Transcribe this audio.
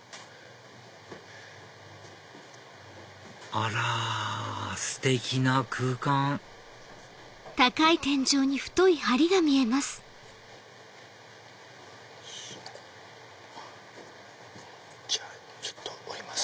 あらステキな空間ちょっと下ります